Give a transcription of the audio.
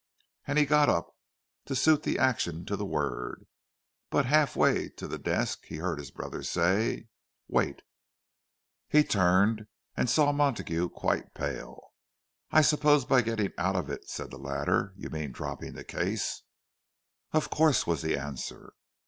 And he got up, to suit the action to the word. But half way to the desk he heard his brother say, "Wait." He turned, and saw Montague, quite pale. "I suppose by 'getting out of it,'" said the latter, "you mean dropping the case." "Of course," was the answer.